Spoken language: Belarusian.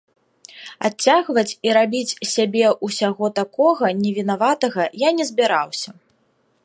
Адцягваць і рабіць з сябе ўсяго такога невінаватага я не збіраўся.